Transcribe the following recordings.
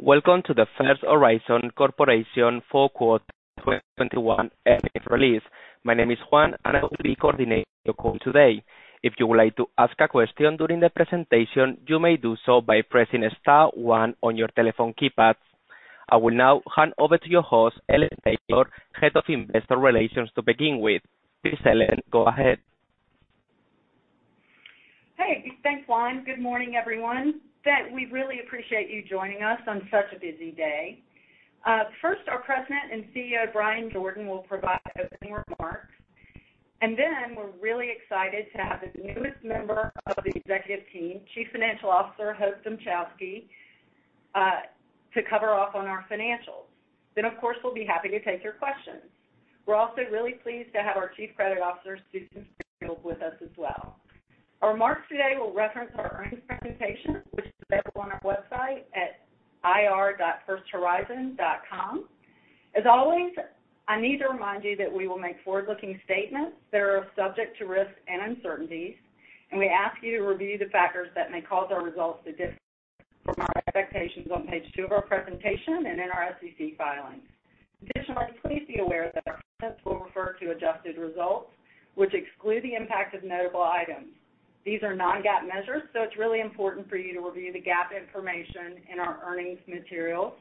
Welcome to the First Horizon Corporation four quarter 2021 earnings release. My name is Juan, and I will be coordinating your call today. If you would like to ask a question during the presentation, you may do so by pressing star one on your telephone keypad. I will now hand over to your host, Ellen Taylor, Head of Investor Relations to begin with. Please, Ellen, go ahead. Hey. Thanks, Juan. Good morning, everyone. We really appreciate you joining us on such a busy day. First, our President and CEO, Bryan Jordan, will provide opening remarks. We're really excited to have the newest member of the executive team, Chief Financial Officer, Hope Dmuchowski, to cover off on our financials. Of course, we'll be happy to take your questions. We're also really pleased to have our Chief Credit Officer, Susan Springfield, with us as well. Our remarks today will reference our earnings presentation, which is available on our website at ir.firsthorizon.com. As always, I need to remind you that we will make forward-looking statements that are subject to risks and uncertainties, and we ask you to review the factors that may cause our results to differ from our expectations on page two of our presentation and in our SEC filings. Additionally, please be aware that our comments will refer to adjusted results, which exclude the impact of notable items. These are non-GAAP measures, so it's really important for you to review the GAAP information in our earnings materials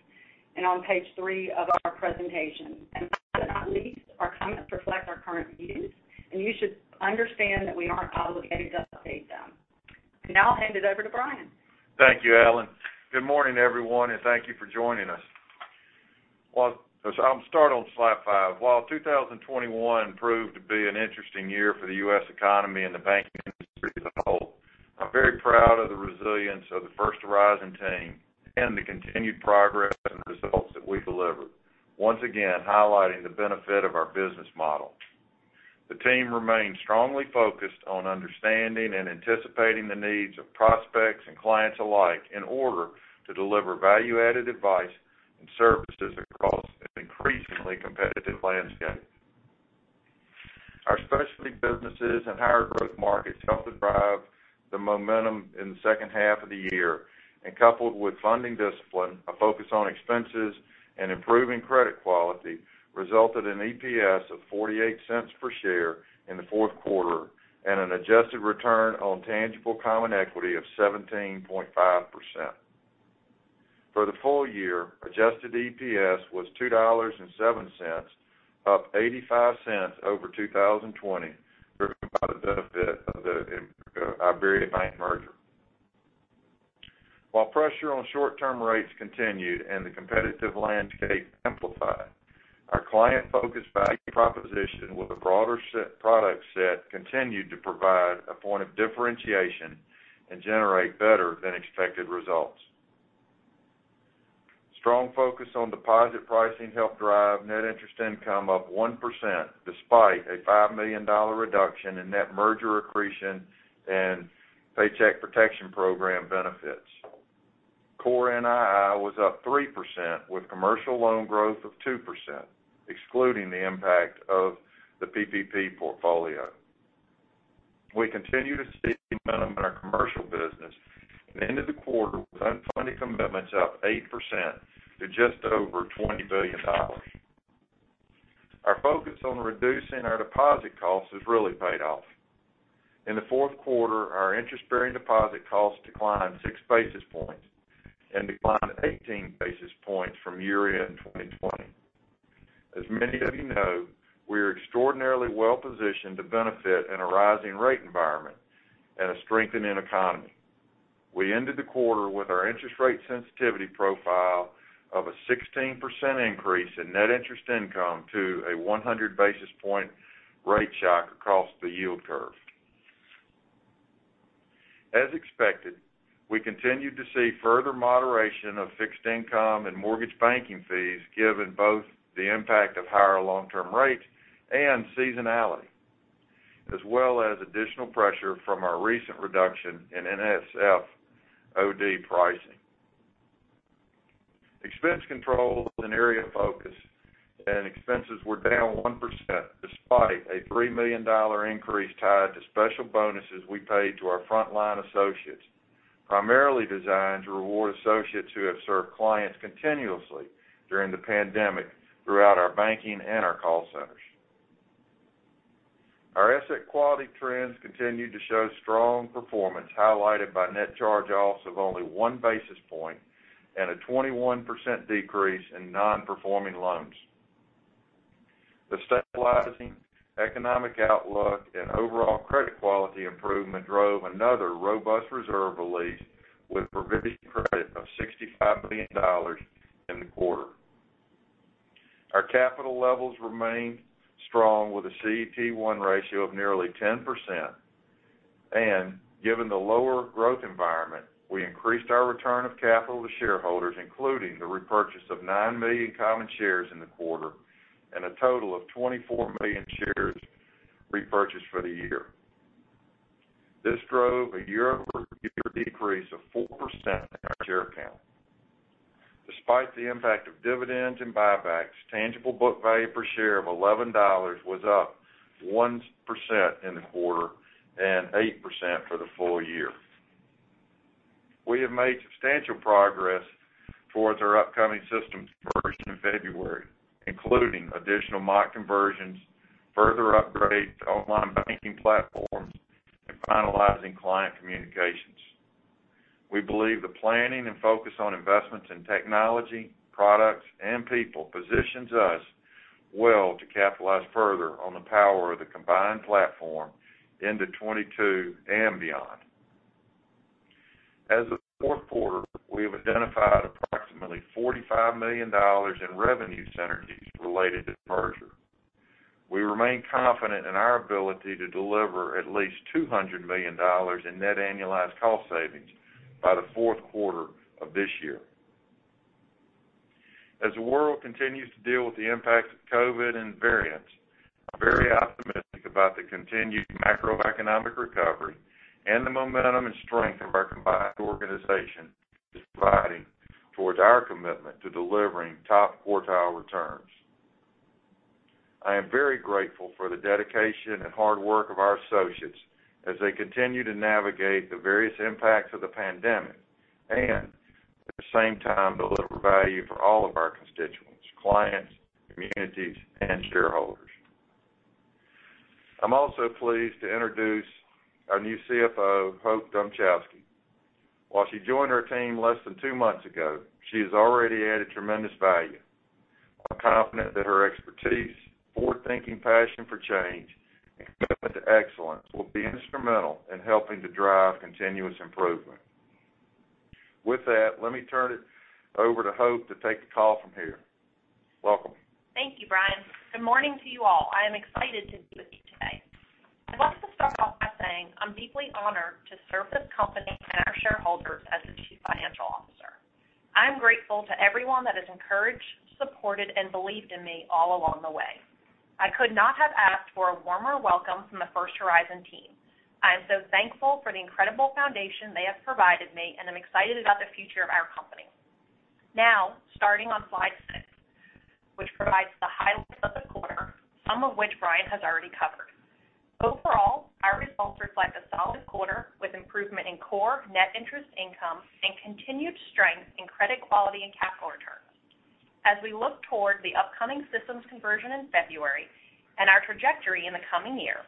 and on page three of our presentation. Last but not least, our comments reflect our current views, and you should understand that we aren't obligated to update them. Now, I'll hand it over to Bryan. Thank you, Ellen. Good morning, everyone, and thank you for joining us. Well, I'll start on slide five. While 2021 proved to be an interesting year for the U.S. economy and the banking industry as a whole, I'm very proud of the resilience of the First Horizon team and the continued progress and results that we delivered, once again highlighting the benefit of our business model. The team remained strongly focused on understanding and anticipating the needs of prospects and clients alike in order to deliver value-added advice and services across an increasingly competitive landscape. Our specialty businesses and higher growth markets helped to drive the momentum in the second half of the year, and coupled with funding discipline, a focus on expenses, and improving credit quality, resulted in EPS of $0.48 per share in the fourth quarter and an adjusted return on tangible common equity of 17.5%. For the full year, adjusted EPS was $2.07, up $0.85 over 2020, driven by the benefit of the IBERIABANK merger. While pressure on short-term rates continued and the competitive landscape amplified, our client-focused value proposition with a broader product set continued to provide a point of differentiation and generate better than expected results. Strong focus on deposit pricing helped drive net interest income up 1% despite a $5 million reduction in net merger accretion and Paycheck Protection Program benefits. Core NII was up 3% with commercial loan growth of 2%, excluding the impact of the PPP portfolio. We continue to see momentum in our commercial business at the end of the quarter with unfunded commitments up 8% to just over $20 billion. Our focus on reducing our deposit costs has really paid off. In the fourth quarter, our interest-bearing deposit costs declined 6 basis points and declined 18 basis points from year-end 2020. As many of you know, we are extraordinarily well-positioned to benefit in a rising rate environment and a strengthening economy. We ended the quarter with our interest rate sensitivity profile of a 16% increase in net interest income to a 100 basis point rate shock across the yield curve. As expected, we continued to see further moderation of fixed income and mortgage banking fees, given both the impact of higher long-term rates and seasonality, as well as additional pressure from our recent reduction in NSF OD pricing. Expense control was an area of focus, and expenses were down 1% despite a $3 million increase tied to special bonuses we paid to our frontline associates, primarily designed to reward associates who have served clients continuously during the pandemic throughout our banking and our call centers. Our asset quality trends continued to show strong performance, highlighted by net charge-offs of only 1 basis point and a 21% decrease in non-performing loans. The stabilizing economic outlook and overall credit quality improvement drove another robust reserve release with provision credit of $65 million in the quarter. Our capital levels remained strong with a CET1 ratio of nearly 10%. Given the lower growth environment, we increased our return of capital to shareholders, including the repurchase of 9 million common shares in the quarter and a total of 24 million shares repurchased for the year. This drove a year-over-year decrease of 4% in our share count. Despite the impact of dividends and buybacks, tangible book value per share of $11 was up 1% in the quarter and 8% for the full year. We have made substantial progress towards our upcoming systems conversion in February, including additional mock conversions, further upgrades to online banking platforms, and finalizing client communications. We believe the planning and focus on investments in technology, products, and people positions us well to capitalize further on the power of the combined platform into 2022 and beyond. As of the fourth quarter, we have identified approximately $45 million in revenue synergies related to the merger. We remain confident in our ability to deliver at least $200 million in net annualized cost savings by the fourth quarter of this year. As the world continues to deal with the impacts of COVID and variants, I'm very optimistic about the continued macroeconomic recovery and the momentum and strength of our combined organization is providing towards our commitment to delivering top quartile returns. I am very grateful for the dedication and hard work of our associates as they continue to navigate the various impacts of the pandemic and at the same time deliver value for all of our constituents, clients, communities, and shareholders. I'm also pleased to introduce our new CFO, Hope Dmuchowski. While she joined our team less than two months ago, she has already added tremendous value. I'm confident that her expertise, forward-thinking passion for change, and commitment to excellence will be instrumental in helping to drive continuous improvement. With that, let me turn it over to Hope to take the call from here. Welcome. Thank you, Bryan. Good morning to you all. I am excited to be with you today. I'd like to start off by saying I'm deeply honored to serve this company and our shareholders as the Chief Financial Officer. I'm grateful to everyone that has encouraged, supported, and believed in me all along the way. I could not have asked for a warmer welcome from the First Horizon team. I am so thankful for the incredible foundation they have provided me, and I'm excited about the future of our company. Now, starting on slide six, which provides the highlights of the quarter, some of which Bryan has already covered. Overall, our results reflect a solid quarter with improvement in core net interest income and continued strength in credit quality and capital returns. As we look toward the upcoming systems conversion in February and our trajectory in the coming year,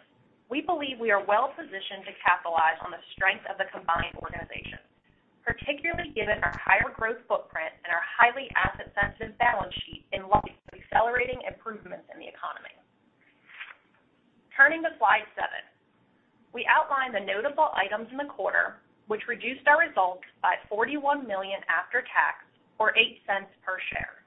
we believe we are well-positioned to capitalize on the strength of the combined organization, particularly given our higher growth footprint and our highly asset-sensitive balance sheet in light of accelerating improvements in the economy. Turning to slide seven. We outline the notable items in the quarter, which reduced our results by $41 million after tax or $0.08 per share.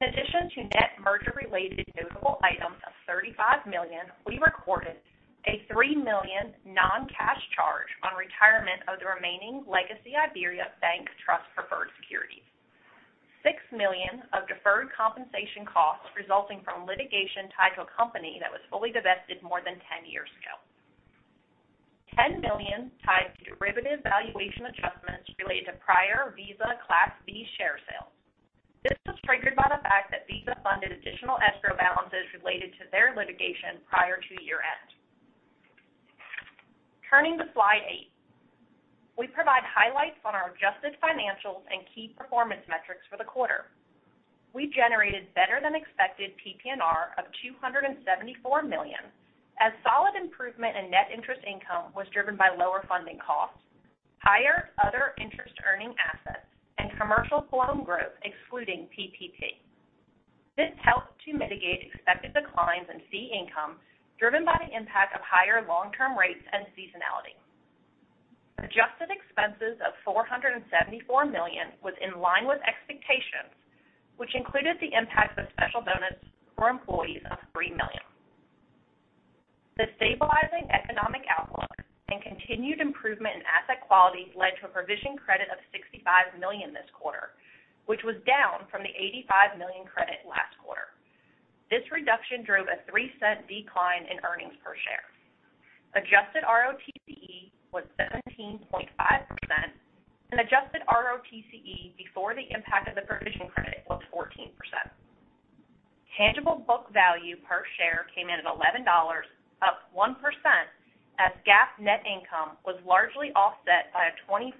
In addition to net merger-related notable items of $35 million, we recorded a $3 million non-cash charge on retirement of the remaining legacy IBERIABANK Trust preferred securities, $6 million of deferred compensation costs resulting from litigation tied to a company that was fully divested more than 10 years ago, $10 million tied to derivative valuation adjustments related to prior Visa Class B share sales. This was triggered by the fact that Visa funded additional escrow balances related to their litigation prior to year-end. Turning to slide eight, we provide highlights on our adjusted financials and key performance metrics for the quarter. We generated better-than-expected PPNR of $274 million, as solid improvement in net interest income was driven by lower funding costs, higher other interest earning assets, and commercial loan growth excluding PPP. This helped to mitigate expected declines in fee income driven by the impact of higher long-term rates and seasonality. Adjusted expenses of $474 million was in line with expectations, which included the impact of special bonus for employees of $3 million. The stabilizing economic outlook and continued improvement in asset quality led to a provision credit of $65 million this quarter, which was down from the $85 million credit last quarter. This reduction drove a $0.03 decline in earnings per share. Adjusted ROTCE was 17.5% and adjusted ROTCE before the impact of the provision credit was 14%. Tangible book value per share came in at $11, up 1% as GAAP net income was largely offset by a $0.24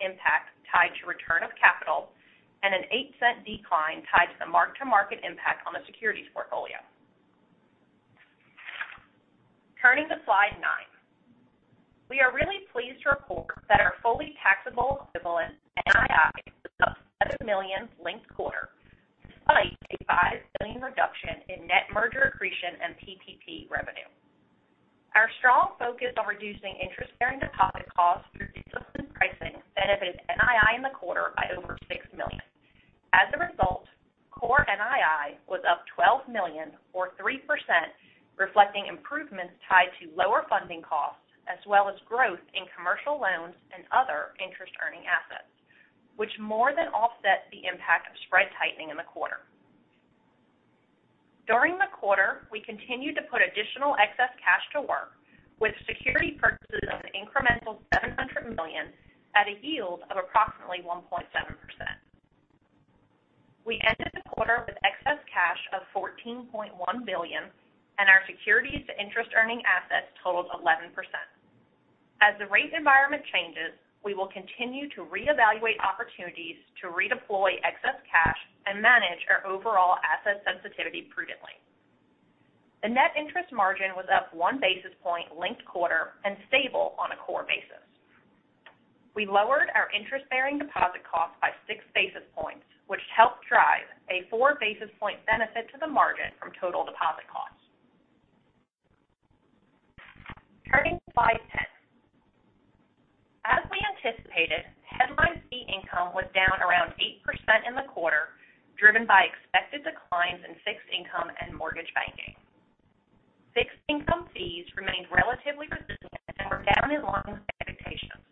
impact tied to return of capital and an $0.08 decline tied to the mark-to-market impact on the securities portfolio. Turning to Slide nine. We are really pleased to report that our fully taxable equivalent NII was up $7 million linked quarter despite a $5 million reduction in net merger accretion and PPP revenue. Our strong focus on reducing interest-bearing deposit costs through disciplined pricing benefited NII in the quarter by over $6 million. As a result, core NII was up $12 million or 3%, reflecting improvements tied to lower funding costs as well as growth in commercial loans and other interest earning assets, which more than offset the impact of spread tightening in the quarter. During the quarter, we continued to put additional excess cash to work with securities purchases of an incremental $700 million at a yield of approximately 1.7%. We ended the quarter with excess cash of $14.1 billion, and our securities to interest earning assets totaled 11%. As the rate environment changes, we will continue to reevaluate opportunities to redeploy excess cash and manage our overall asset sensitivity prudently. The net interest margin was up 1 basis point linked-quarter and stable on a core basis. We lowered our interest-bearing deposit costs by 6 basis points, which helped drive a 4 basis point benefit to the margin from total deposit costs. Turning to slide 10. As we anticipated, headline fee income was down around 8% in the quarter, driven by expected declines in fixed income and mortgage banking. Fixed income fees remained relatively resilient and were down in line with expectations.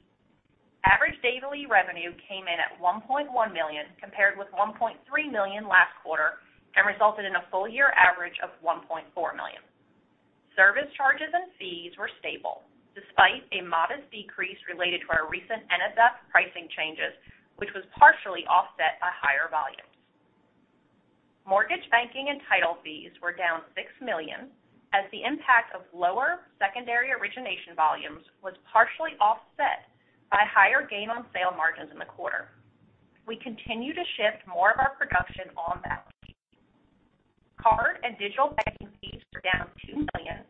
Average daily revenue came in at $1.1 million, compared with $1.3 million last quarter, and resulted in a full year average of $1.4 million. Service charges and fees were stable despite a modest decrease related to our recent NSF pricing changes, which was partially offset by higher volumes. Mortgage banking and title fees were down $6 million as the impact of lower secondary origination volumes was partially offset by higher gain on sale margins in the quarter. We continue to shift more of our production on balance sheet. Card and digital banking fees were down $2 million,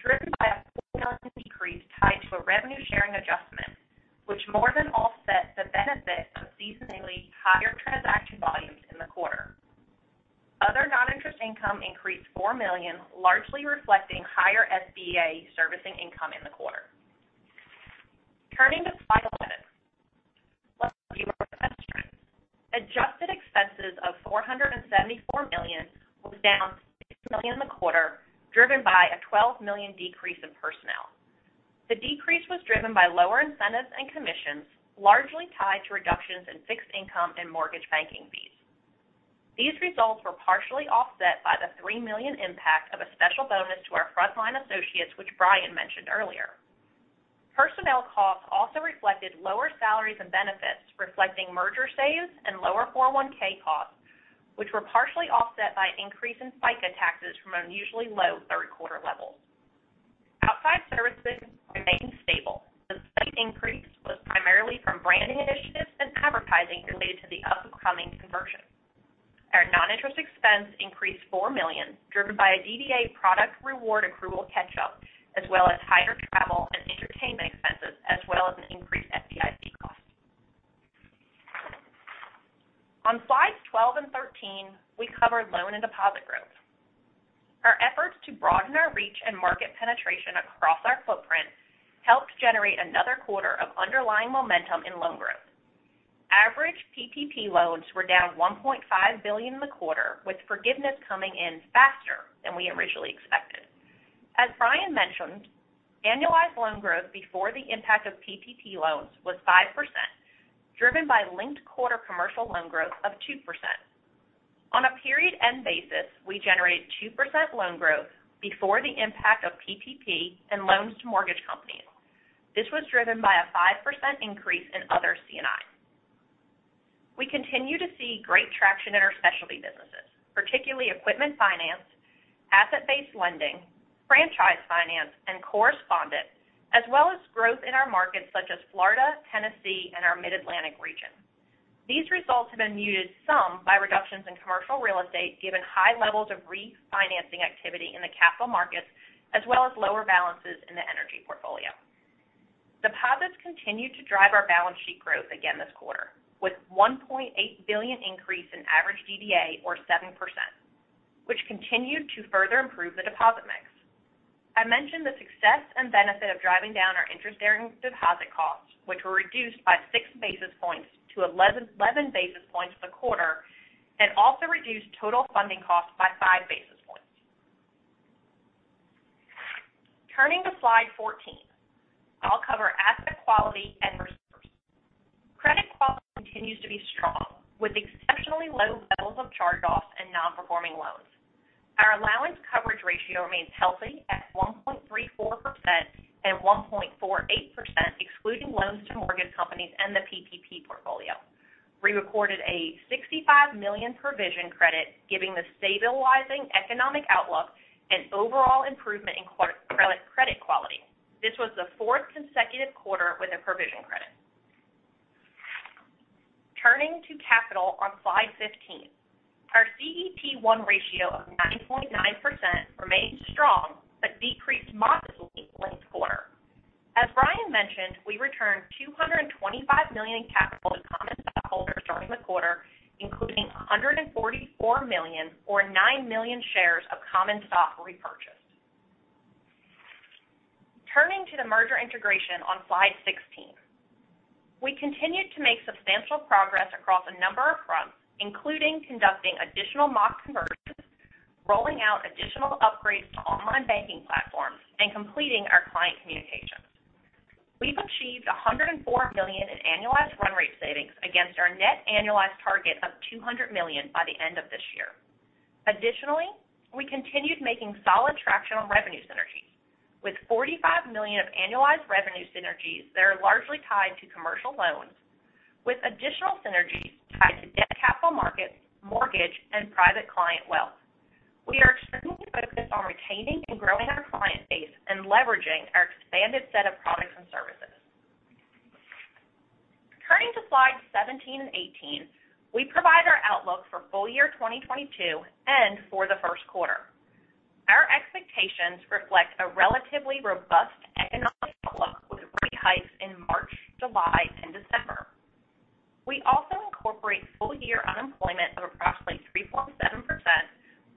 driven by a $4 million decrease tied to a revenue sharing adjustment, which more than offset the benefit of seasonally higher transaction volumes in the quarter. Other non-interest income increased $4 million, largely reflecting higher SBA servicing income in the quarter. Turning to slide 11. Let's review our expense trends. Adjusted expenses of $474 million was down $6 million in the quarter, driven by a $12 million decrease in personnel. The decrease was driven by lower incentives and commissions, largely tied to reductions in fixed income and mortgage banking fees. These results were partially offset by the $3 million impact of a special bonus to our frontline associates, which Bryan mentioned earlier. Personnel costs also reflected lower salaries and benefits, reflecting merger saves and lower 401(k) costs, which were partially offset by an increase in FICA taxes from unusually low third quarter levels. Outside services remained stable. The slight increase was primarily from branding initiatives and advertising related to the upcoming conversion. Our non-interest expense increased $4 million, driven by a DDA product reward accrual catch up, as well as higher travel and entertainment expenses, as well as an increased FDIC cost. On slides 12 and 13, we cover loan and deposit growth. Our efforts to broaden our reach and market penetration across our footprint helped generate another quarter of underlying momentum in loan growth. Average PPP loans were down $1.5 billion in the quarter, with forgiveness coming in faster than we originally expected. As Bryan mentioned, annualized loan growth before the impact of PPP loans was 5%, driven by linked quarter commercial loan growth of 2%. On a period end basis, we generated 2% loan growth before the impact of PPP and loans to mortgage companies. This was driven by a 5% increase in other C&I. We continue to see great traction in our specialty businesses, particularly equipment finance, asset-based lending, franchise finance and correspondent, as well as growth in our markets such as Florida, Tennessee and our Mid-Atlantic region. These results have been muted some by reductions in commercial real estate, given high levels of refinancing activity in the capital markets as well as lower balances in the energy portfolio. Deposits continued to drive our balance sheet growth again this quarter, with $1.8 billion increase in average DDA or 7%, which continued to further improve the deposit mix. I mentioned the success and benefit of driving down our interest bearing deposit costs, which were reduced by 6 basis points to 11 basis points the quarter, and also reduced total funding costs by 5 basis points. Turning to slide 14, I'll cover asset quality and reserves. Credit quality continues to be strong with exceptionally low levels of charge-offs and non-performing loans. Our allowance coverage ratio remains healthy at 1.34% and 1.48%, excluding loans to mortgage companies and the PPP portfolio. We recorded a $65 million provision credit, giving the stabilizing economic outlook an overall improvement in credit quality. This was the fourth consecutive quarter with a provision credit. Turning to capital on slide 15. Our CET1 ratio of 9.9% remains strong but decreased modestly linked quarter. As Bryan mentioned, we returned $225 million in capital to common stockholders during the quarter, including $144 million or 9 million shares of common stock repurchased. Turning to the merger integration on slide 16. We continued to make substantial progress across a number of fronts, including conducting additional mock conversions, rolling out additional upgrades to online banking platforms, and completing our client communications. We've achieved $104 million in annualized run rate savings against our net annualized target of $200 million by the end of this year. Additionally, we continued making solid traction on revenue synergies, with $45 million of annualized revenue synergies that are largely tied to commercial loans, with additional synergies tied to debt capital markets, mortgage, and private client wealth. We are extremely focused on retaining and growing our client base and leveraging our expanded set of products and services. Turning to slides 17 and 18, we provide our outlook for full year 2022 and for the first quarter. Our expectations reflect a relatively robust economic outlook with rate hikes in March, July, and December. We also incorporate full year unemployment of approximately 3.7%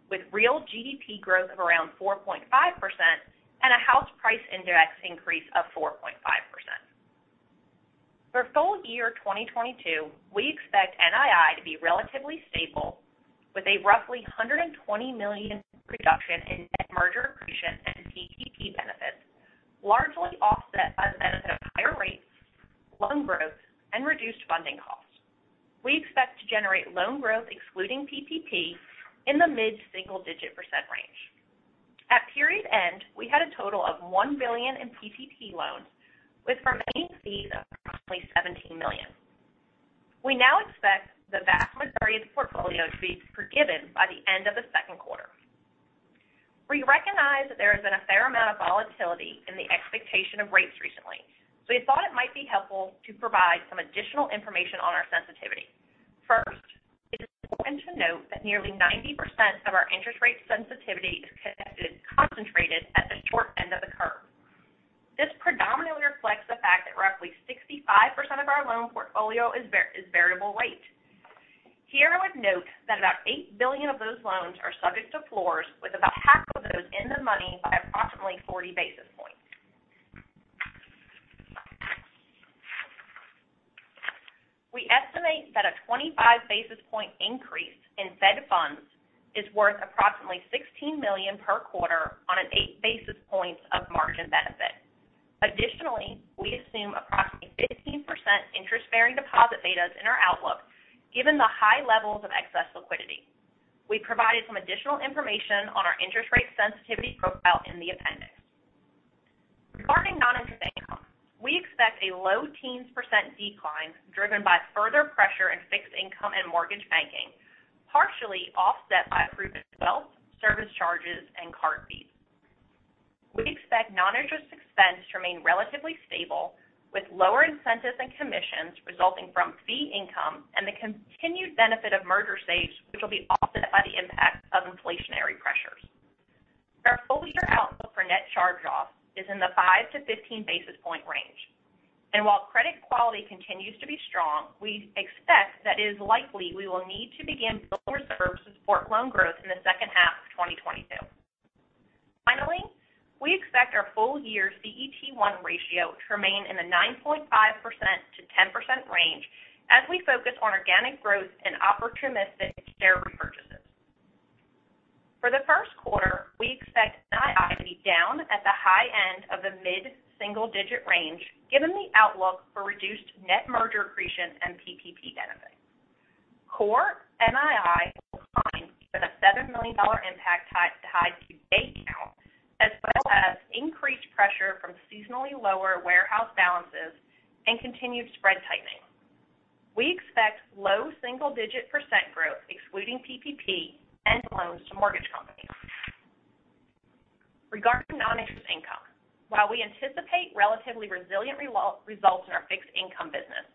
with real GDP growth of around 4.5% and a house price index increase of 4.5%. For full year 2022, we expect NII to be relatively stable with a roughly $120 million reduction in merger accretion and PPP benefits, largely offset by the benefit of higher rates, loan growth, and reduced funding costs. We expect to generate loan growth excluding PPP in the mid-single-digit % range. At period end, we had a total of $1 billion in PPP loans with remaining fees of approximately $17 million. We now expect the vast majority of the portfolio to be forgiven by the end of the second quarter. We recognize that there has been a fair amount of volatility in the expectation of rates recently. We thought it might be helpful to provide some additional information on our sensitivity. First, it is important to note that nearly 90% of our interest rate sensitivity is concentrated at the short end of the curve. This predominantly reflects the fact that roughly 65% of our loan portfolio is variable-rate. Here, I would note that about $8 billion of those loans are subject to floors, with about half of those in the money by approximately 40 basis points. We estimate that a 25 basis point increase in Fed funds is worth approximately $16 million per quarter on an 8 basis points of margin benefit. Additionally, we assume approximately 15% interest-bearing deposit betas in our outlook, given the high levels of excess liquidity. We provided some additional information on our interest rate sensitivity profile in the appendix. Regarding non-interest income, we expect a low teens percent decline driven by further pressure in fixed income and mortgage banking, partially offset by improvements in wealth, service charges, and card fees. We expect non-interest expense to remain relatively stable, with lower incentives and commissions resulting from fee income and the continued benefit of merger saves, which will be offset by the impact of inflationary pressures. Our full year outlook for net charge-offs is in the 5-15 basis point range. While credit quality continues to be strong, we expect that it is likely we will need to begin to build reserves to support loan growth in the second half of 2022. Finally, we expect our full year CET1 ratio to remain in the 9.5%-10% range as we focus on organic growth and opportunistic share repurchases. For the first quarter, we expect NII to be down at the high end of the mid-single digit range, given the outlook for reduced net merger accretion and PPP benefits. Core NII will decline with a $7 million impact tied to day count, as well as increased pressure from seasonally lower warehouse balances and continued spread tightening. We expect low single-digit percent growth, excluding PPP and loans to mortgage companies. Regarding non-interest income, while we anticipate relatively resilient results in our fixed income business,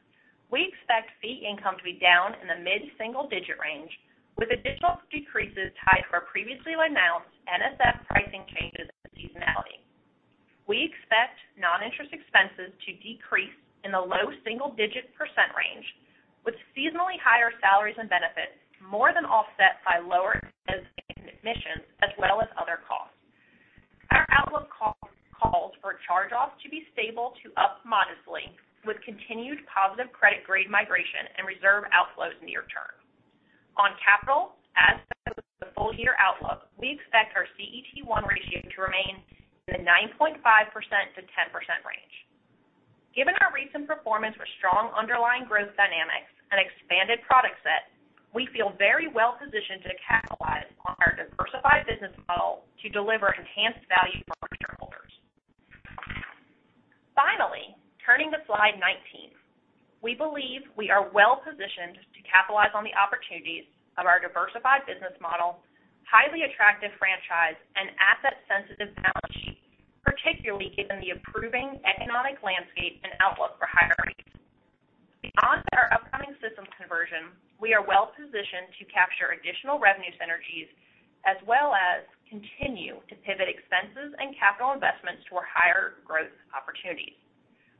we expect fee income to be down in the mid-single-digit percent range, with additional decreases tied to our previously announced NSF pricing changes and seasonality. We expect non-interest expenses to decrease in the low single-digit percent range, with seasonally higher salaries and benefits more than offset by lower incentives and commissions, as well as other costs. Our outlook calls for charge-offs to be stable to up modestly, with continued positive credit grade migration and reserve outflows near term. On capital, as discussed in the full year outlook, we expect our CET1 ratio to remain in the 9.5%-10% range. Given our recent performance with strong underlying growth dynamics and expanded product set, we feel very well positioned to capitalize on our diversified business model to deliver enhanced value for our shareholders. Finally, turning to slide 19, we believe we are well positioned to capitalize on the opportunities of our diversified business model, highly attractive franchise, and asset-sensitive balance sheet, particularly given the improving economic landscape and outlook for higher rates. Beyond our upcoming systems conversion, we are well-positioned to capture additional revenue synergies, as well as continue to pivot expenses and capital investments toward higher growth opportunities.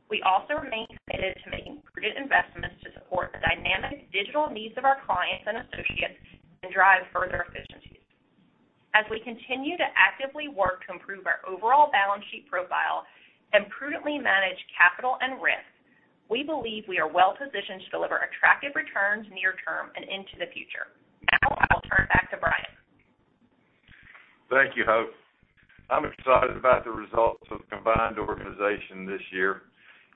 We also remain committed to making prudent investments to support the dynamic digital needs of our clients and associates and drive further efficiencies. As we continue to actively work to improve our overall balance sheet profile and prudently manage capital and risk, we believe we are well-positioned to deliver attractive returns near term and into the future. Now I will turn back to Bryan. Thank you, Hope. I'm excited about the results of the combined organization this year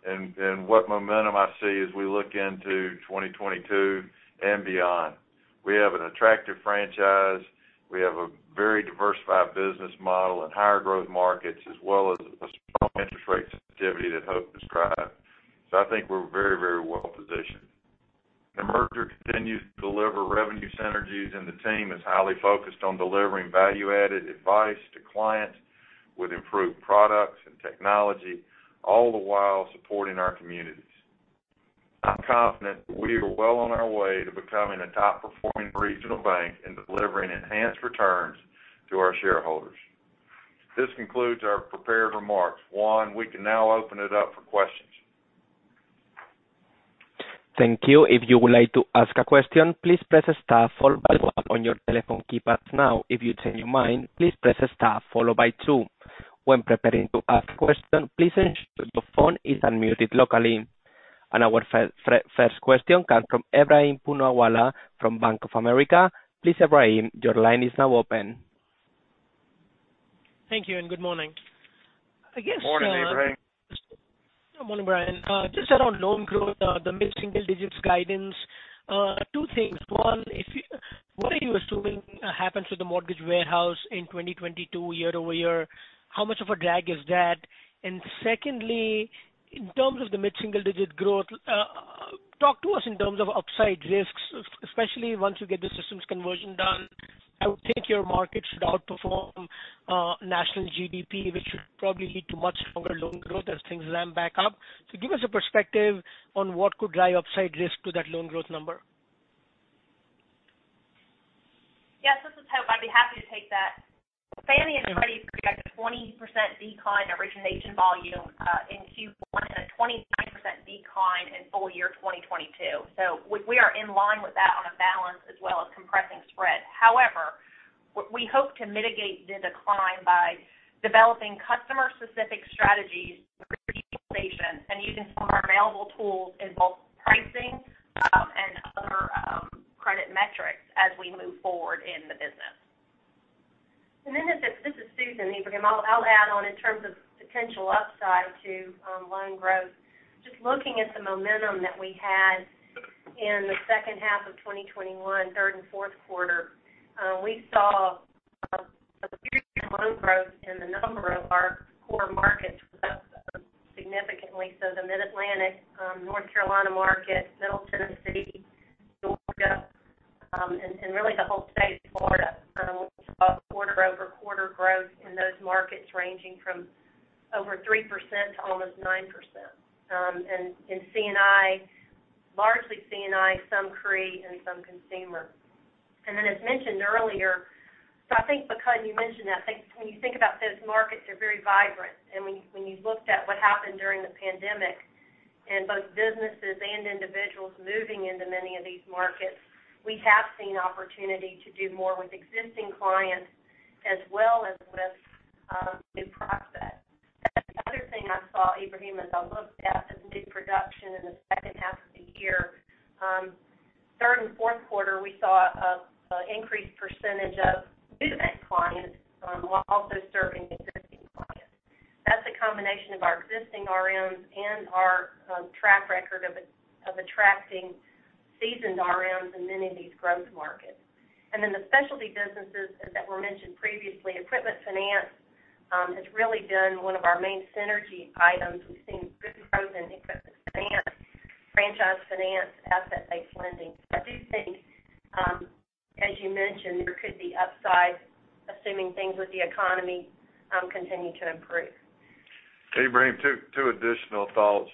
and what momentum I see as we look into 2022 and beyond. We have an attractive franchise. We have a very diversified business model and higher growth markets as well as a strong interest rate sensitivity that Hope described. I think we're very, very well positioned. The merger continues to deliver revenue synergies, and the team is highly focused on delivering value-added advice to clients with improved products and technology, all the while supporting our communities. I'm confident that we are well on our way to becoming a top performing regional bank and delivering enhanced returns to our shareholders. This concludes our prepared remarks. Juan, we can now open it up for questions. Thank you. If you would like to ask a question, please press star followed by one on your telephone keypad now. If you change your mind, please press star followed by two. When preparing to ask a question, please ensure your phone is unmuted locally. Our first question comes from Ebrahim Poonawala from Bank of America. Please, Ebrahim, your line is now open. Thank you and good morning. I guess, Morning, Ebrahim. Morning, Bryan. Just around loan growth, the mid-single digits guidance, two things. One, what are you assuming happened to the mortgage warehouse in 2022 year-over-year? How much of a drag is that? And secondly, in terms of the mid-single digit growth, talk to us in terms of upside risks, especially once you get the systems conversion done. I would think your market should outperform national GDP, which should probably lead to much stronger loan growth as things ramp back up. Give us a perspective on what could drive upside risk to that loan growth number. Yes, this is Hope. I'd be happy to take that. Fannie and Freddie project a 20% decline in origination volume in Q1 and a 29% decline in full year 2022. We are in line with that on a balance as well as compressing spread. However, we hope to mitigate the decline by developing customer specific strategies for utilization and using some of our available tools in both pricing and other credit metrics as we move forward in the business. This is Susan, Ebrahim. I'll add on in terms of potential upside to loan growth. Just looking at the momentum that we had in the second half of 2021, third and fourth quarter, we saw a period of loan growth in a number of our core markets was up significantly. The Mid-Atlantic, North Carolina market, Middle Tennessee, Georgia, and really the whole state of Florida, we saw quarter-over-quarter growth in those markets ranging from over 3% to almost 9%. And in C&I, largely C&I, some CRE and some consumer. As mentioned earlier, I think because you mentioned that, like when you think about those markets, they're very vibrant. When you looked at what happened during the pandemic and both businesses and individuals moving into many of these markets, we have seen opportunity to do more with existing clients as well as with new prospects. The other thing I saw, Ebrahim, as I looked at is new production in the second half of the year. Third and fourth quarter, we saw an increased percentage of new to bank clients while also serving existing clients. That's a combination of our existing RMs and our track record of attracting seasoned RMs in many of these growth markets. The specialty businesses as that were mentioned previously, equipment finance has really been one of our main synergy items. We've seen good growth in equipment finance, franchise finance, asset-based lending. I do think, as you mentioned, there could be upside assuming things with the economy continue to improve. Ebrahim, two additional thoughts.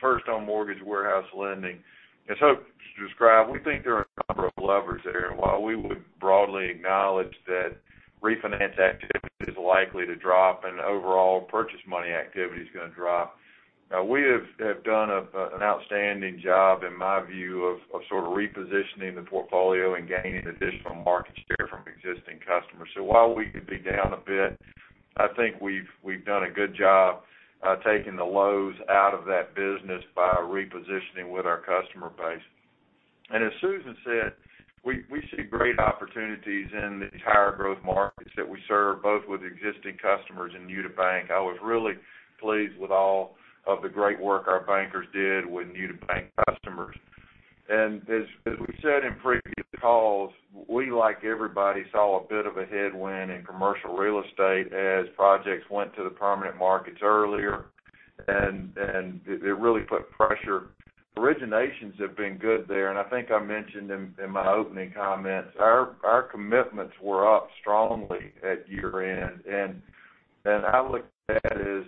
First on mortgage warehouse lending. As Hope described, we think there are a number of levers there, and while we would broadly acknowledge that refinance activity is likely to drop and overall purchase money activity is going to drop, we have done an outstanding job in my view of sort of repositioning the portfolio and gaining additional market share from existing customers. While we could be down a bit, I think we've done a good job taking the lows out of that business by repositioning with our customer base. As Susan said, we see great opportunities in these higher growth markets that we serve, both with existing customers and new to bank. I was really pleased with all of the great work our bankers did with new to bank customers. As we said in previous calls, we, like everybody, saw a bit of a headwind in commercial real estate as projects went to the permanent markets earlier. It really put pressure. Originations have been good there, and I think I mentioned in my opening comments, our commitments were up strongly at year-end. I look at that as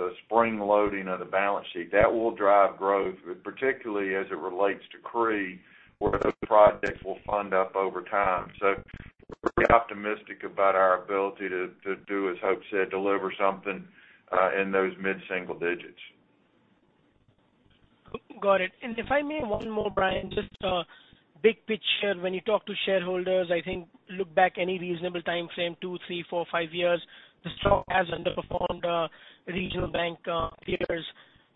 a spring loading of the balance sheet. That will drive growth, particularly as it relates to CRE, where those projects will fund up over time. We're pretty optimistic about our ability to do, as Hope said, deliver something in those mid-single digits. Got it. If I may, one more, Bryan, just big picture. When you talk to shareholders, I think look back any reasonable timeframe, two, three, four, five years, the stock has underperformed, regional bank peers.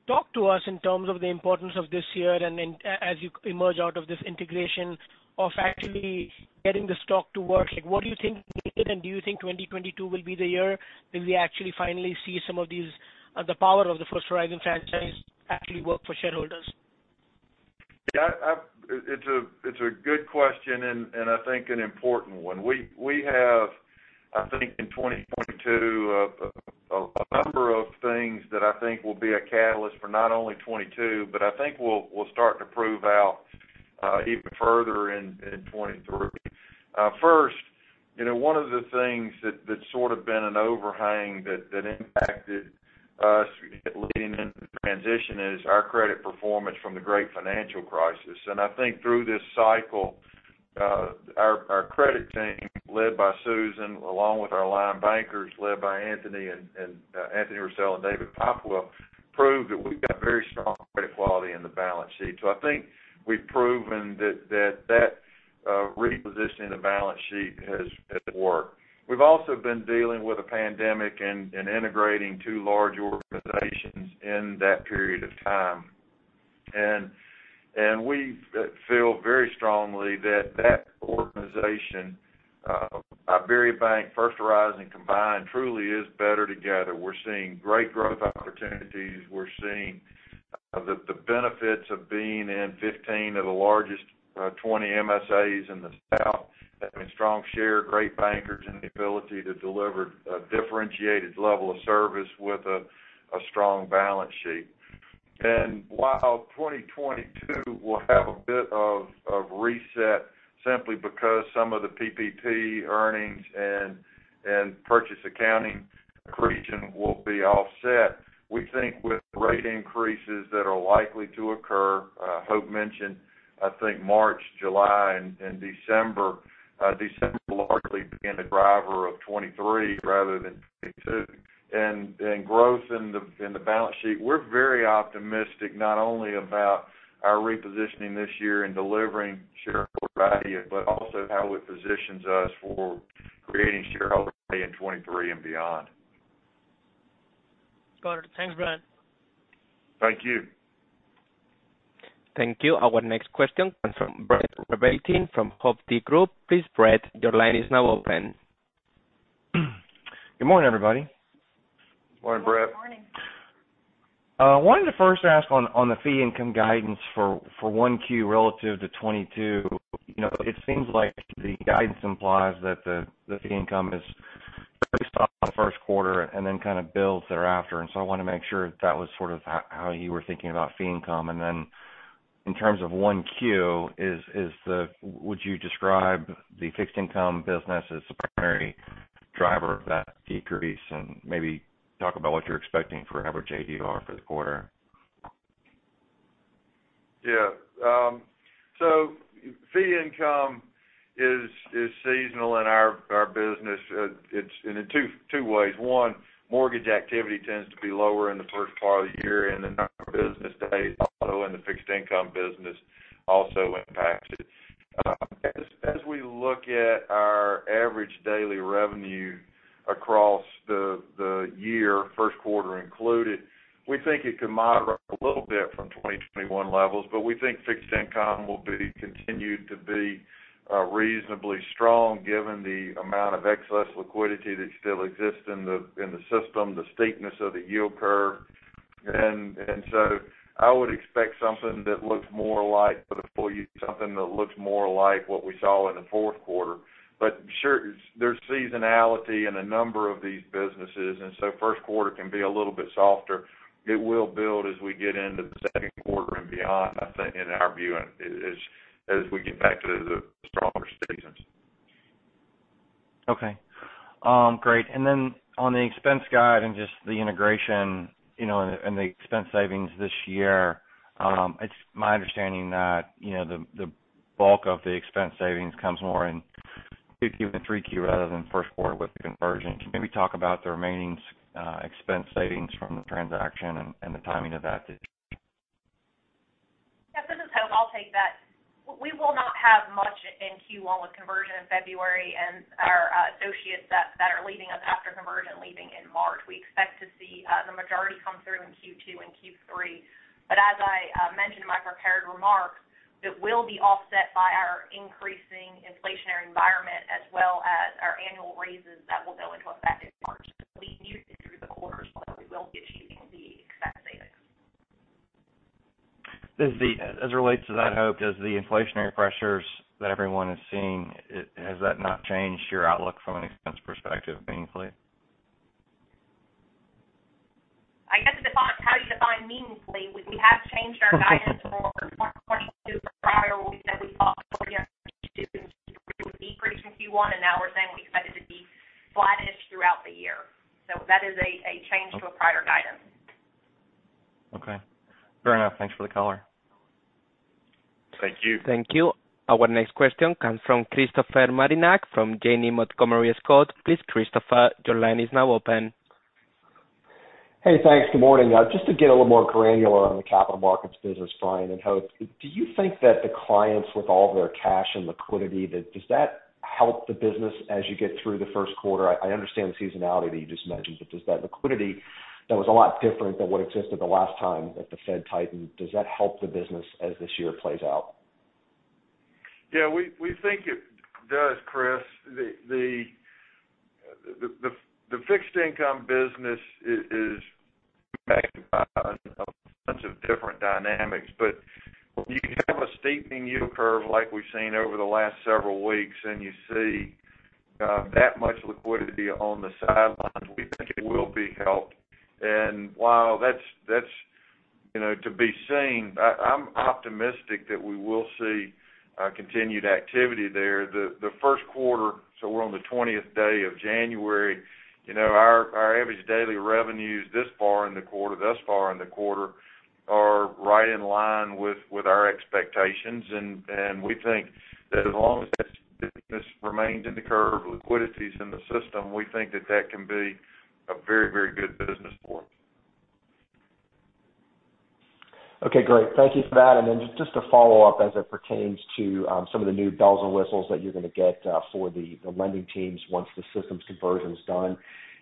Talk to us in terms of the importance of this year and then as you emerge out of this integration of actually getting the stock to work. Like, what do you think and do you think 2022 will be the year that we actually finally see some of these, the power of the First Horizon franchise actually work for shareholders? Yeah. It's a good question and I think an important one. We have, I think, in 2022 a number of things that I think will be a catalyst for not only 2022, but I think we'll start to prove out even further in 2023. First, you know, one of the things that's sort of been an overhang that impacted us leading into the transition is our credit performance from the great financial crisis. I think through this cycle our credit team, led by Susan, along with our line bankers led by Anthony Restel and David Popwell, proved that we've got very strong credit quality in the balance sheet. I think we've proven that repositioning the balance sheet has worked. We've also been dealing with a pandemic and integrating two large organizations in that period of time. We feel very strongly that organization, IBERIABANK, First Horizon combined truly is better together. We're seeing great growth opportunities. We're seeing the benefits of being in 15 of the largest 20 MSAs in the South, having strong share, great bankers, and the ability to deliver a differentiated level of service with a strong balance sheet. While 2022 will have a bit of reset simply because some of the PPP earnings and purchase accounting accretion will be offset, we think with rate increases that are likely to occur, Hope mentioned, I think March, July, and December will largely be the driver of 2023 rather than 2022. Growth in the balance sheet, we're very optimistic, not only about our repositioning this year and delivering shareholder value, but also how it positions us for creating shareholder value in 2023 and beyond. Got it. Thanks, Bryan. Thank you. Thank you. Our next question comes from Brett Rabatin from Hovde Group. Please, Brett, your line is now open. Good morning, everybody. Morning, Brett. Good morning. Wanted to first ask on the fee income guidance for 1Q relative to 2022. You know, it seems like the guidance implies that the fee income is based off the first quarter and then kind of builds thereafter. I want to make sure that was sort of how you were thinking about fee income. In terms of 1Q, is the—would you describe the fixed income business as the primary driver of that decrease? Maybe talk about what you're expecting for average ADR for the quarter. Yeah. Fee income is seasonal in our business. It's in two ways. One, mortgage activity tends to be lower in the first part of the year, and the number of business days in the fixed income business also impacts it. As we look at our average daily revenue across the year, first quarter included, we think it could moderate a little bit from 2021 levels. But we think fixed income will be continued to be reasonably strong given the amount of excess liquidity that still exists in the system, the steepness of the yield curve. I would expect something that looks more like, for the full year, something that looks more like what we saw in the fourth quarter. Sure, there's seasonality in a number of these businesses, and so first quarter can be a little bit softer. It will build as we get into the second quarter and beyond, I think, in our view, as we get back to the stronger seasons. Okay. Great. On the expense guide and just the integration, you know, and the expense savings this year, it's my understanding that, you know, the bulk of the expense savings comes more in 2Q than 3Q rather than first quarter with the conversion. Can you maybe talk about the remaining expense savings from the transaction and the timing of that this year? Yes, this is Hope. I'll take that. We will not have much in Q1 with conversion in February and our associates that are leaving us after conversion leaving in March. We expect to see the majority come through in Q2 and Q3. As I mentioned in my prepared remarks, it will be offset by our increasing inflationary environment as well as our annual raises that will go into effect in March. We mitigate it through the quarters, but we will be achieving the expense savings. As it relates to that, Hope, does the inflationary pressures that everyone is seeing, has that not changed your outlook from an expense perspective meaningfully? I guess it depends how you define meaningfully. We have changed our guidance for prior. We said we thought would be pretty Q1, and now we're saying we expect it to be flattish throughout the year. That is a change to a prior guidance. Okay. Fair enough. Thanks for the color. Thank you. Thank you. Our next question comes from Christopher Marinac from Janney Montgomery Scott. Please, Christopher, your line is now open. Hey, thanks. Good morning. Just to get a little more granular on the capital markets business, Bryan and Hope, do you think that the clients with all their cash and liquidity, does that help the business as you get through the first quarter. I understand the seasonality that you just mentioned, but does that liquidity that was a lot different than what existed the last time that the Fed tightened, does that help the business as this year plays out? Yeah, we think it does, Chris. The fixed income business is backed by a bunch of different dynamics. When you have a steepening yield curve like we've seen over the last several weeks, and you see that much liquidity on the sidelines, we think it will be helped. While that's you know to be seen, I'm optimistic that we will see continued activity there. The first quarter, so we're on the 20th day of January, you know, our average daily revenues thus far in the quarter are right in line with our expectations. We think that as long as this business remains in the curve, liquidity is in the system, we think that that can be a very, very good business for us. Okay, great. Thank you for that. Just to follow up as it pertains to some of the new bells and whistles that you're gonna get for the lending teams once the systems conversion is done.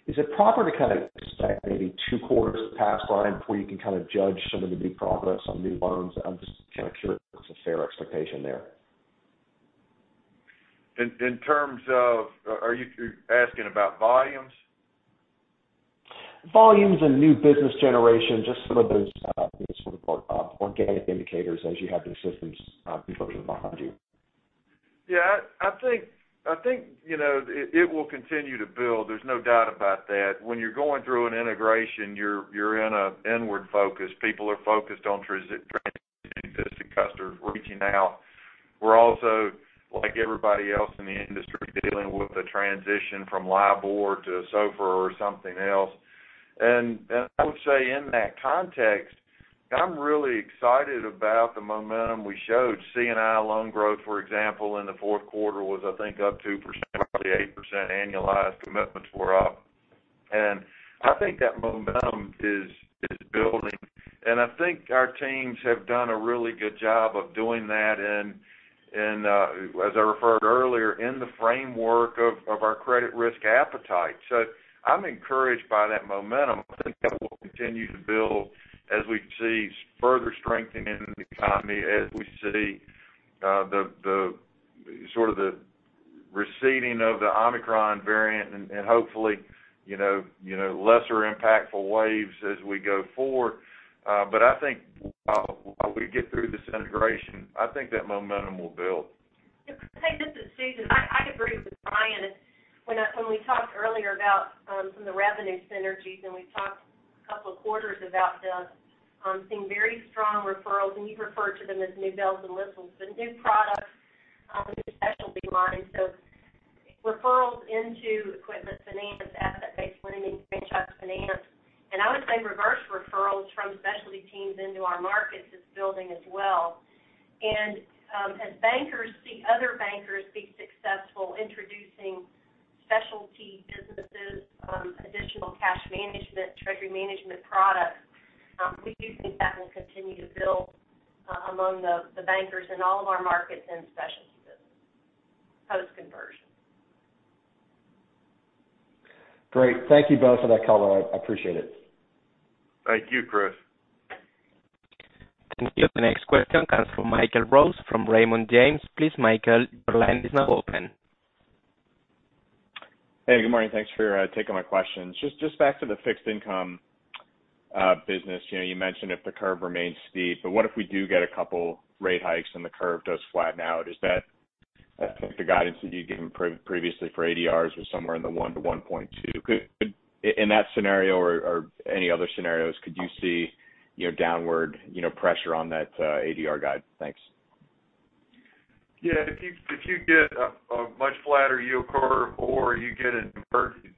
Is it proper to kind of expect maybe two quarters to pass by before you can kind of judge some of the new progress on new loans? I'm just kind of curious if that's a fair expectation there. Are you asking about volumes? Volumes and new business generation, just some of those, sort of, organic indicators as you have these systems conversion behind you. Yeah. I think you know it will continue to build. There's no doubt about that. When you're going through an integration, you're in an inward focus. People are focused on transitioning existing customers, reaching out. We're also, like everybody else in the industry, dealing with the transition from LIBOR to SOFR or something else. I would say in that context, I'm really excited about the momentum we showed. C&I loan growth, for example, in the fourth quarter was, I think, up 2%, roughly 8% annualized commitments were up. I think that momentum is building. I think our teams have done a really good job of doing that. As I referred earlier, in the framework of our credit risk appetite. I'm encouraged by that momentum. I think that will continue to build as we see further strengthening in the economy, as we see the sort of the receding of the Omicron variant, and hopefully, you know, lesser impactful waves as we go forward. I think while we get through this integration, I think that momentum will build. Hey, this is Susan. I agree with Bryan. When we talked earlier about some of the revenue synergies, and we've talked a couple of quarters about seeing very strong referrals, and you've referred to them as new bells and whistles. The new products and new specialty lines. Referrals into equipment finance, asset-based lending, franchise finance. I would say reverse referrals from specialty teams into our markets is building as well. As bankers see other bankers be successful introducing specialty businesses, additional cash management, treasury management products, we do think that will continue to build among the bankers in all of our markets and specialty business post-conversion. Great. Thank you both for that color. I appreciate it. Thank you, Chris. Thank you. The next question comes from Michael Rose from Raymond James. Please, Michael, your line is now open. Hey, good morning. Thanks for taking my questions. Just back to the fixed income business. You know, you mentioned if the curve remains steep, but what if we do get a couple rate hikes and the curve does flatten out? I think the guidance that you'd given previously for ADRs was somewhere in the 1-1.2. In that scenario or any other scenarios, could you see, you know, downward, you know, pressure on that ADR guide? Thanks. Yeah. If you get a much flatter yield curve or you get an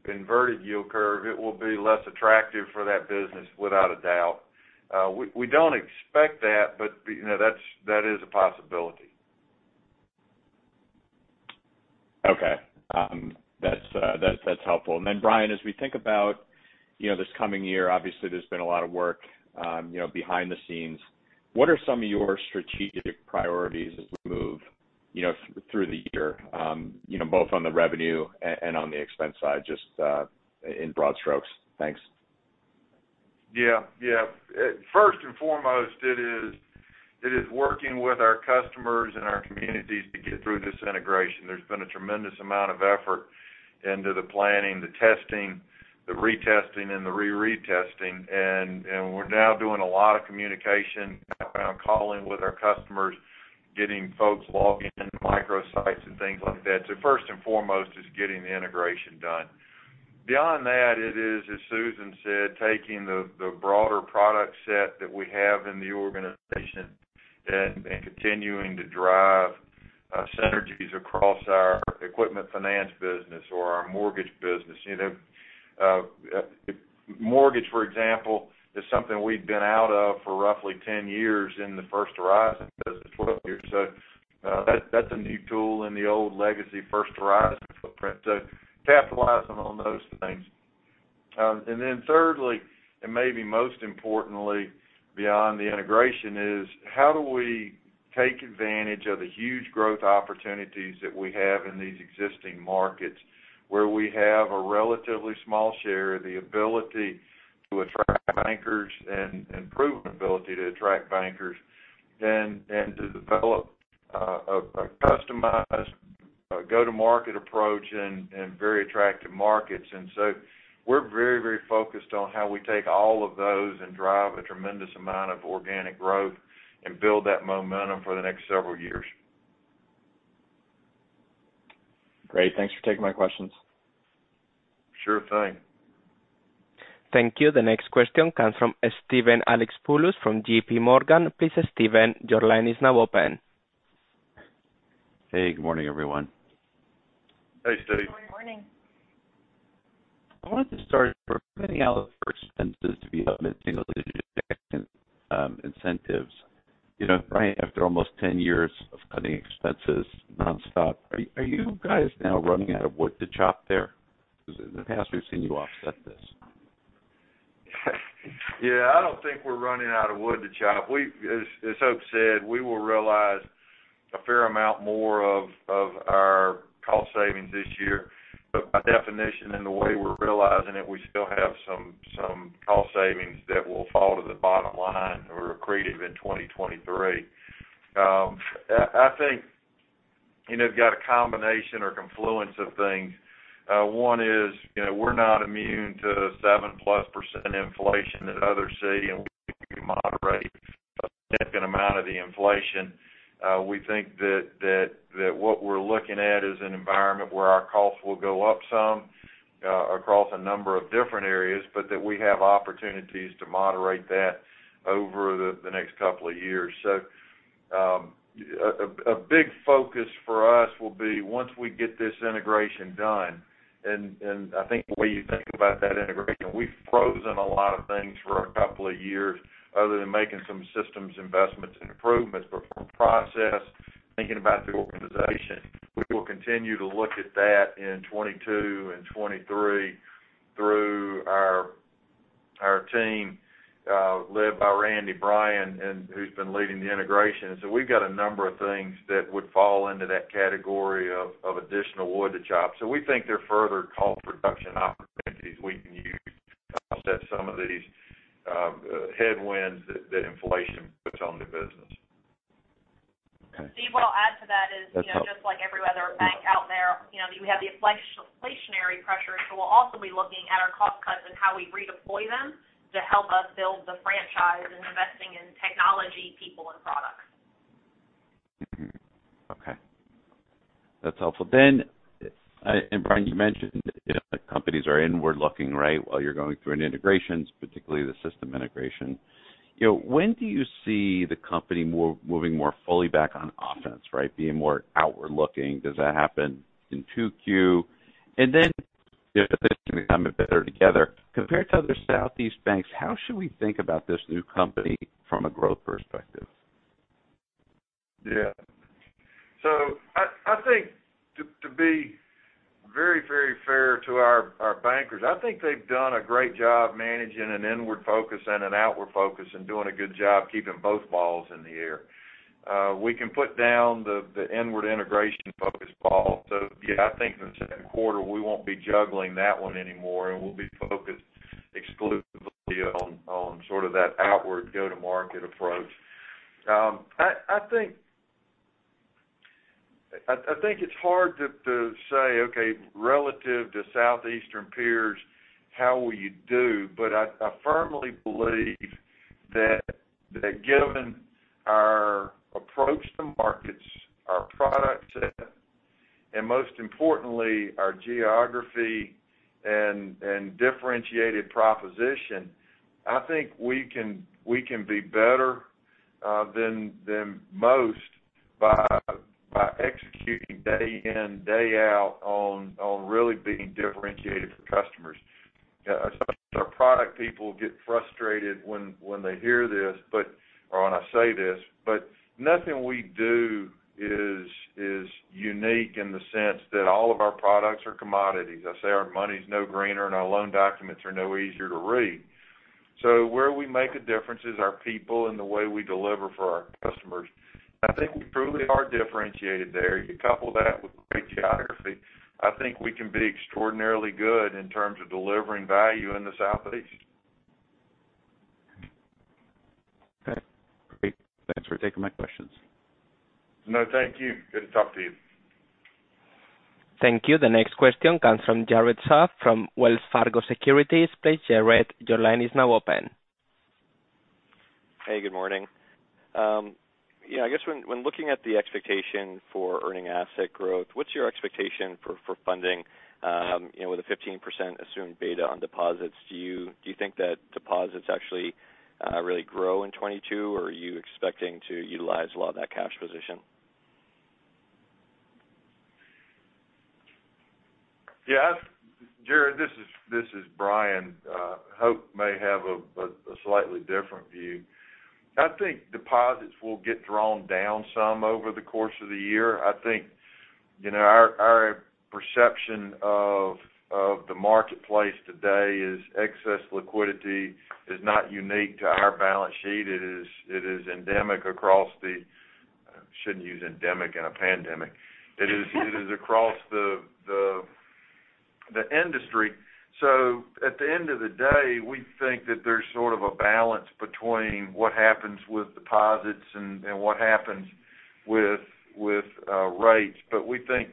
inverted yield curve, it will be less attractive for that business, without a doubt. We don't expect that, but you know, that is a possibility. Okay. That's helpful. Then Bryan, as we think about, you know, this coming year, obviously there's been a lot of work, you know, behind the scenes. What are some of your strategic priorities as we move, you know, through the year, you know, both on the revenue and on the expense side, just in broad strokes? Thanks. Yeah. First and foremost, it is working with our customers and our communities to get through this integration. There's been a tremendous amount of effort into the planning, the testing, the retesting, and the re-retesting. We're now doing a lot of communication, outbound calling with our customers, getting folks logged into micro sites and things like that. First and foremost is getting the integration done. Beyond that, it is, as Susan said, taking the broader product set that we have in the organization and continuing to drive synergies across our equipment finance business or our mortgage business. You know, mortgage, for example, is something we've been out of for roughly 10 years in the First Horizon business footprint. That's a new tool in the old legacy First Horizon footprint. Capitalizing on those things. Then thirdly, and maybe most importantly beyond the integration is how do we take advantage of the huge growth opportunities that we have in these existing markets where we have a relatively small share, the ability to attract bankers and to develop a customized go-to-market approach in very attractive markets. We're very, very focused on how we take all of those and drive a tremendous amount of organic growth and build that momentum for the next several years. Great. Thanks for taking my questions. Sure thing. Thank you. The next question comes from Steven Alexopoulos from JPMorgan. Please, Steven, your line is now open. Hey, good morning, everyone. Hey, Steve. Good morning. I wanted to start for planning out for expenses to be of mid-single-digit incentives. You know, Bryan, after almost 10 years of cutting expenses nonstop, are you guys now running out of wood to chop there? Because in the past, we've seen you offset this. Yeah, I don't think we're running out of wood to chop. As Hope said, we will realize a fair amount more of our cost savings this year. By definition, in the way we're realizing it, we still have some cost savings that will fall to the bottom line or accretive in 2023. I think, you know, got a combination or confluence of things. One is, you know, we're not immune to the 7%+ inflation that others see, and we moderate a significant amount of the inflation. We think that what we're looking at is an environment where our costs will go up some, across a number of different areas, but that we have opportunities to moderate that over the next couple of years. A big focus for us will be once we get this integration done, and I think the way you think about that integration, we've frozen a lot of things for a couple of years other than making some systems investments and improvements. From a process, thinking about the organization, we will continue to look at that in 2022 and 2023 through our team led by Randy Bryan and who's been leading the integration. We've got a number of things that would fall into that category of additional wood to chop. We think there are further cost reduction opportunities we can use to offset some of these headwinds that inflation puts on the business. Okay. Steve, I'll add to that. That's all. You know, just like every other bank out there, you know, you have the inflationary pressures. We'll also be looking at our cost cuts and how we redeploy them to help us build the franchise and investing in technology, people and products. Okay. That's helpful. Bryan, you mentioned, you know, companies are inward looking, right? While you're going through an integration, particularly the system integration. You know, when do you see the company moving more fully back on offense, right? Being more outward looking. Does that happen in 2Q? You know, this may come a bit together. Compared to other Southeast banks, how should we think about this new company from a growth perspective? Yeah. I think to be very fair to our bankers, I think they've done a great job managing an inward focus and an outward focus and doing a good job keeping both balls in the air. We can put down the inward integration focus ball. Yeah, I think in the second quarter, we won't be juggling that one anymore, and we'll be focused exclusively on sort of that outward go-to-market approach. I think it's hard to say, okay, relative to Southeastern peers, how will you do? I firmly believe that given our approach to markets, our product set, and most importantly, our geography and differentiated proposition, I think we can be better than most by executing day in, day out on really being differentiated for customers. Sometimes our product people get frustrated when they hear this, or when I say this, but nothing we do is unique in the sense that all of our products are commodities. I say our money's no greener and our loan documents are no easier to read. Where we make a difference is our people and the way we deliver for our customers. I think we truly are differentiated there. You couple that with great geography, I think we can be extraordinarily good in terms of delivering value in the Southeast. Okay. Great. Thanks for taking my questions. No, thank you. Good to talk to you. Thank you. The next question comes from Jared Shaw from Wells Fargo Securities. Please, Jared, your line is now open. Hey, good morning. Yeah, I guess when looking at the expectation for earning asset growth, what's your expectation for funding, you know, with a 15% assumed beta on deposits? Do you think that deposits actually really grow in 2022, or are you expecting to utilize a lot of that cash position? Yeah. Jared, this is Bryan. Hope may have a slightly different view. I think deposits will get drawn down some over the course of the year. I think, you know, our perception of the marketplace today is excess liquidity is not unique to our balance sheet. It is endemic. Shouldn't use endemic in a pandemic. It is across the industry. At the end of the day, we think that there's sort of a balance between what happens with deposits and what happens with rates. We think,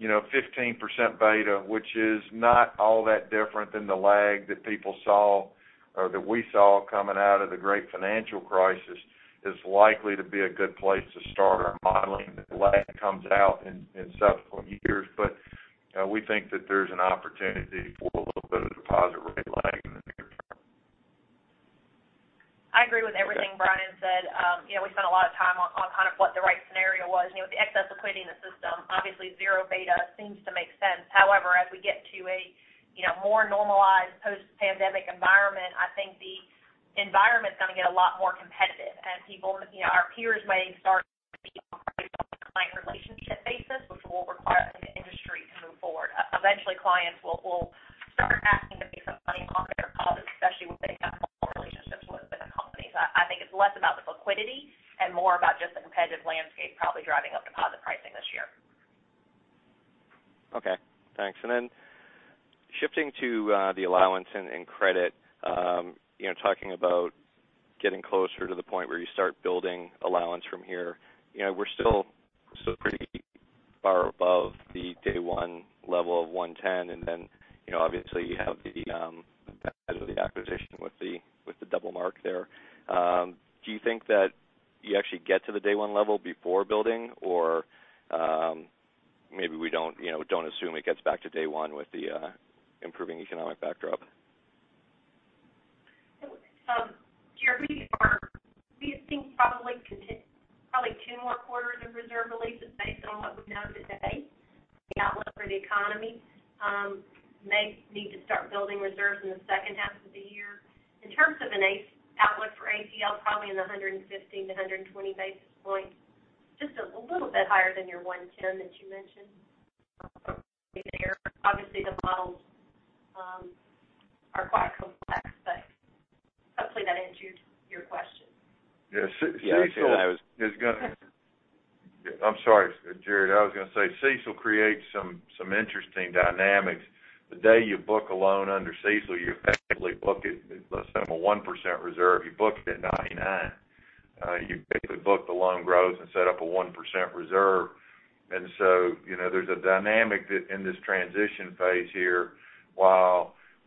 you know, 15% beta, which is not all that different than the lag that people saw or that we saw coming out of the great financial crisis, is likely to be a good place to start our modeling. The lag comes out in subsequent years, but we think that there's an opportunity for a little bit of deposit rate lag in the near term. I agree with everything Bryan said. You know, we spent a lot of time on kind of what the right scenario was. You know, with the excess liquidity in the system, obviously, zero beta seems to make sense. However, as we get to a you know, more normalized post-pandemic environment, I think the environment's gonna get a lot more competitive. People, you know, our peers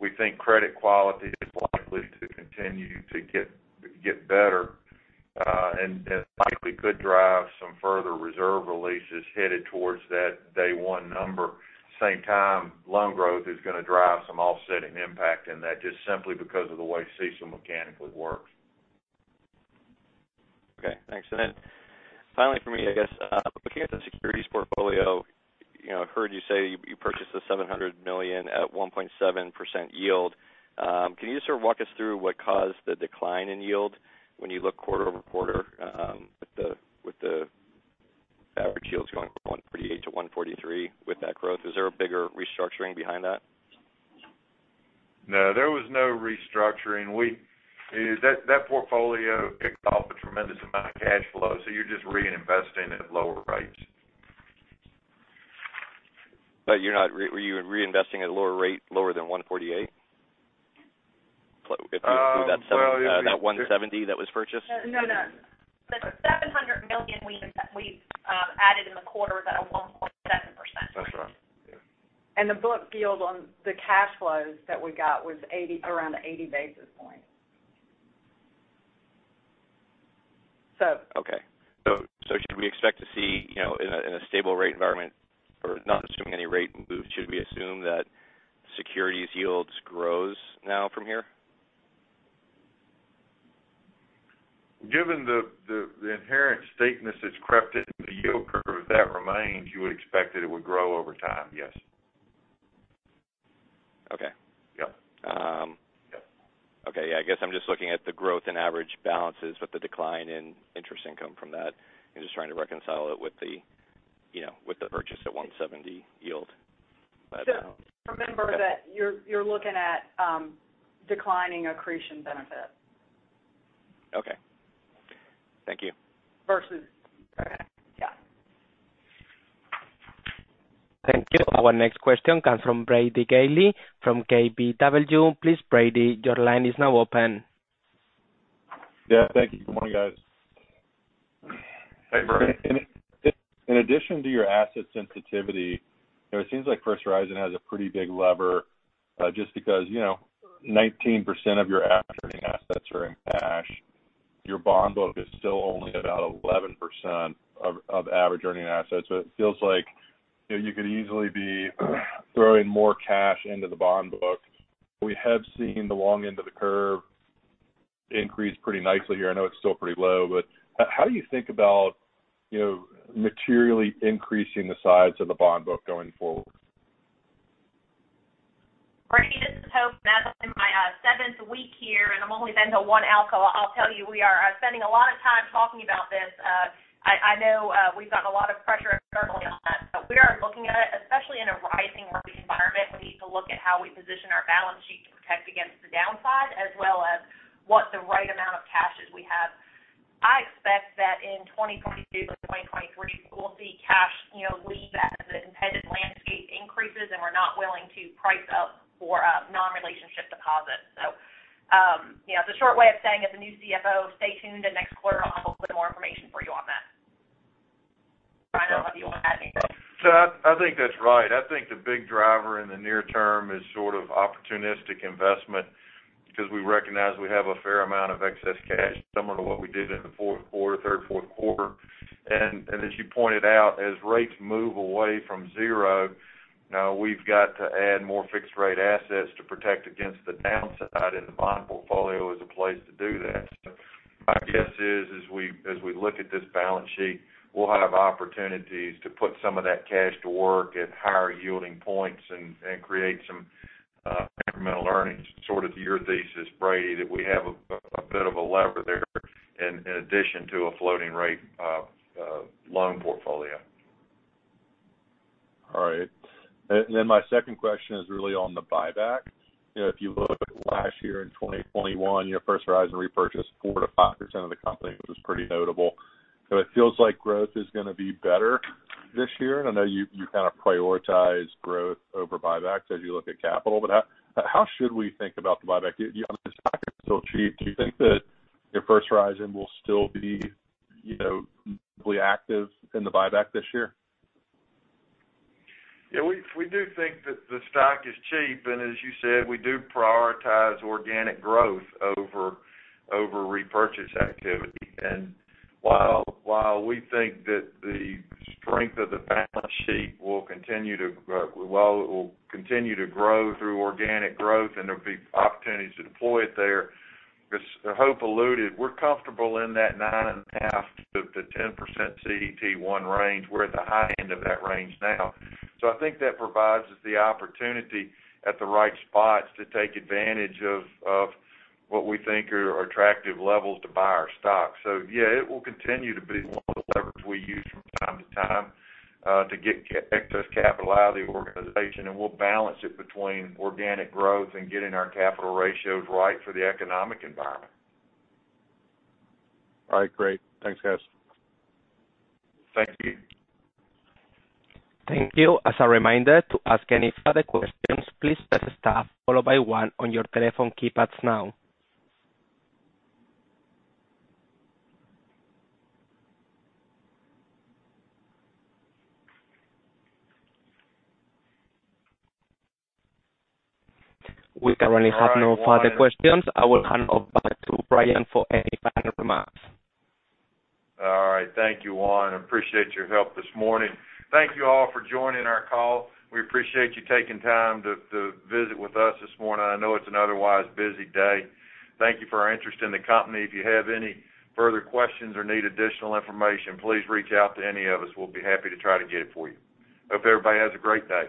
we think credit quality is likely to continue to get better, and likely could drive some further reserve releases headed towards that day one number. Same time, loan growth is gonna drive some offsetting impact in that, just simply because of the way CECL mechanically works. Okay. Thanks. Finally, from me, I guess, looking at the securities portfolio, you know, I heard you say you purchased the $700 million at 1.7% yield. Can you sort of walk us through what caused the decline in yield when you look quarter-over-quarter, with the average yields going from 1.48% to 1.43% with that growth? Is there a bigger restructuring behind that? No, there was no restructuring. That portfolio kicks off a tremendous amount of cash flow, so you're just reinvesting at lower rates. Were you reinvesting at a lower rate, lower than 1.48? If you include that seven- Well- That 170 that was purchased. No, no. The $700 million we added in the quarter was at a 1.7%. That's right. Yeah. The book yield on the cash flows that we got was around 80 basis points. Should we expect to see, you know, in a stable rate environment or not assuming any rate moves, should we assume that securities yields grows now from here? Given the inherent steepness that's crept into the yield curve, if that remains, you would expect that it would grow over time, yes. Okay. Yep. Okay. Yeah, I guess I'm just looking at the growth in average balances with the decline in interest income from that and just trying to reconcile it with the, you know, with the purchase at 170 yield. But. Remember that you're looking at declining accretion benefit. Okay. Thank you. Versus. Yeah. Thank you. Our next question comes from Brady Gailey from KBW. Please, Brady, your line is now open. Yeah. Thank you. Good morning, guys. Hey, Brady. In addition to your asset sensitivity, you know, it seems like First Horizon has a pretty big lever, just because, you know, 19% of your average earning assets are in cash. Your bond book is still only about 11% of average earning assets. It feels like, you know, you could easily be throwing more cash into the bond book. We have seen the long end of the curve increase pretty nicely here. I know it's still pretty low, but how do you think about, you know, materially increasing the size of the bond book going forward? Brady, this is Hope. Now I'm in my seventh week here, and I'm only been to one ALCO. I'll tell you, we are spending a lot of time talking about this. I know we've got a lot of pressure externally on that, but we are looking at it, especially in a rising rate environment, we need to look at how we position our balance sheet to protect against the downside as well as what the right amount of cash is we have. I expect that in 2022 to 2023, we'll see cash, you know, leave as the competitive landscape increases and we're not willing to price up for non-relationship deposits. You know, the short way of saying as the new CFO, stay tuned, and next quarter I'll have a bit more information for you on that. Bryan, I don't know if you want to add anything. I think that's right. I think the big driver in the near term is sort of opportunistic investment because we recognize we have a fair amount of excess cash similar to what we did in the third, fourth quarter. As you pointed out, as rates move away from zero, now we've got to add more fixed-rate assets to protect against the downside, and the bond portfolio is a place to do that. My guess is as we look at this balance sheet, we'll have opportunities to put some of that cash to work at higher-yielding points and create some incremental earnings, sort of to your thesis, Brady, that we have a bit of a lever there in addition to a floating-rate loan portfolio. All right. Then my second question is really on the buyback. You know, if you look last year in 2021, your First Horizon repurchased 4%-5% of the company, which was pretty notable. It feels like growth is going to be better this year. I know you kind of prioritize growth over buybacks as you look at capital, but how should we think about the buyback? The stock is still cheap. Do you think that your First Horizon will still be, you know, actively in the buyback this year? Yeah, we do think that the stock is cheap. As you said, we do prioritize organic growth over repurchase activity. While we think that the strength of the balance sheet will continue to grow through organic growth and there'll be opportunities to deploy it there, as Hope alluded, we're comfortable in that 9.5%-10% CET1 range. We're at the high end of that range now. I think that provides us the opportunity at the right spots to take advantage of what we think are attractive levels to buy our stock. Yeah, it will continue to be one of the levers we use from time to time to get excess capital out of the organization, and we'll balance it between organic growth and getting our capital ratios right for the economic environment. All right, great. Thanks, guys. Thank you. Thank you. As a reminder to ask any further questions, please press star followed by one on your telephone keypads now. We currently have no further questions. I will hand off back to Bryan for any final remarks. All right. Thank you, Juan. Appreciate your help this morning. Thank you all for joining our call. We appreciate you taking time to visit with us this morning. I know it's an otherwise busy day. Thank you for our interest in the company. If you have any further questions or need additional information, please reach out to any of us. We'll be happy to try to get it for you. Hope everybody has a great day.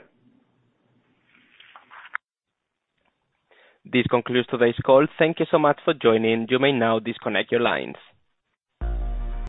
This concludes today's call. Thank you so much for joining. You may now disconnect your lines.